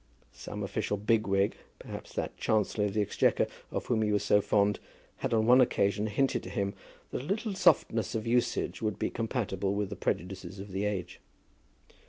Some official big wig, perhaps that Chancellor of the Exchequer of whom he was so fond, had on one occasion hinted to him that a little softness of usage would be compatible with the prejudices of the age.